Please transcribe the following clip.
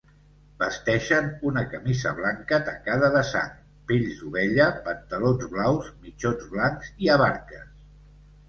Vesteixen una camisa blanca tacada de sang, pells d'ovella, pantalons blaus, mitjons blancs i avarques.